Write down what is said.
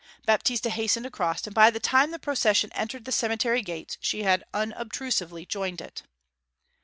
Baptista hastened across, and by the time the procession entered the cemetery gates she had unobtrusively joined it.